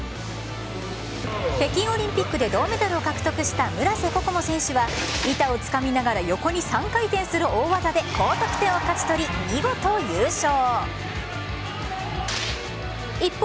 北京オリンピックで銅メダルを獲得した村瀬心椛選手は板をつかみながら横に３回転する大技で高得点を勝ち取り、見事優勝。